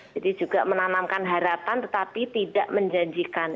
jadi juga menanamkan harapan tetapi tidak menjanjikan